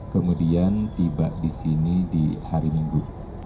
kemudian tiba di sini di hari minggu